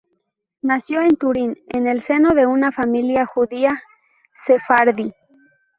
Nació en Turín, en el seno de una familia judía sefardí.